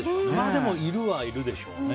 でも、いるはいるでしょうね。